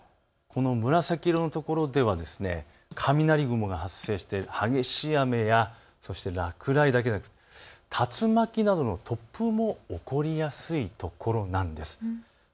この紫色の所では雷雲が発生して激しい雨や落雷だけではなく竜巻などの突風も起こりやすい所なんです。